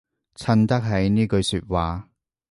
襯得起呢句說話